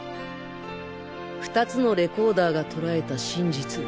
２つのレコーダーがとらえた真実。